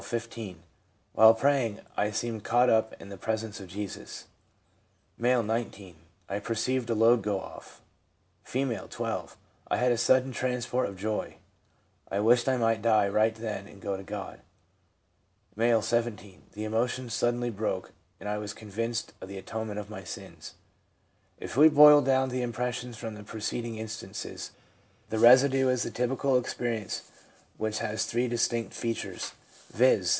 15. 'While praying I seemed caught up into the presence of Jesus/ M., 19. 'I per ceived a load go off/ F., 12. ' I had a sudden transport of joy ; I wished I might die right then and go to God/ M., 17. 'The emotion suddenly broke, and I was con vinced of the atonement of my sins/ If we boil down the impressions from the preceding instances, the residue is the typical experience, which has three distinct features, viz.